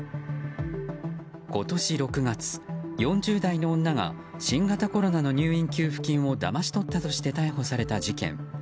今年６月、４０代の女が新型コロナの入院給付金をだまし取ったとして逮捕された事件。